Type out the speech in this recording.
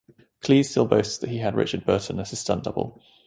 Cleese still boasts that he had Richard Burton as his stunt double.